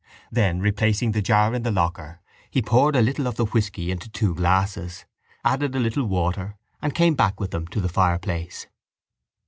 Then replacing the jar in the locker he poured a little of the whisky into two glasses, added a little water and came back with them to the fireplace.